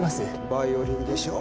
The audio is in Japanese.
バイオリンでしょ。